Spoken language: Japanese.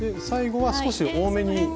最後は少し多めに。